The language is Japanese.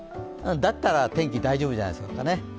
だったら天気、大丈夫じゃないですかね。